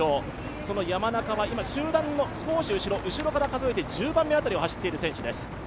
その山中は今集団の少し後ろ、後ろから数えて１０番目ぐらいを走っている選手です。